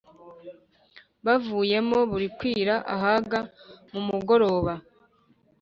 bavuyemo buri kwira ahaga mu mugoroba.